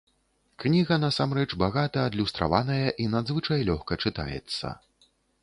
Кніга насамрэч багата адлюстраваная і надзвычай лёгка чытаецца.